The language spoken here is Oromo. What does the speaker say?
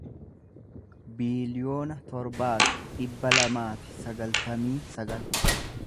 biiliyoona torbaa fi dhibba lamaa fi sagaltamii sagal